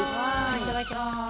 いただきます。